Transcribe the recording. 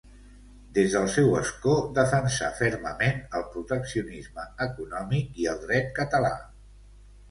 Des del seu escó defensà fermament el proteccionisme econòmic i el dret català.